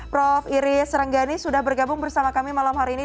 prof iris renggani sudah bergabung bersama kami malam hari ini